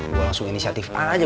gue langsung inisiatif aja